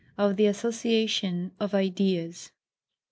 OF THE ASSOCIATION OF IDEAS.